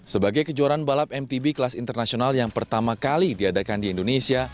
sebagai kejuaraan balap mtb kelas internasional yang pertama kali diadakan di indonesia